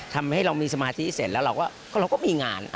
ทำให้เรามีสมาธิเสร็จแล้วเราก็มีงาน